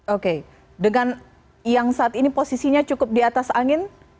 oke dengan yang saat ini posisinya cukup di atas angin